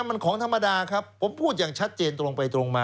มันของธรรมดาครับผมพูดอย่างชัดเจนตรงไปตรงมา